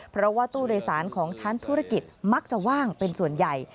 เพราะว่าตู้โดยสารของชั้นธุรกิจมักจะว่างเป็นส่วนใหญ่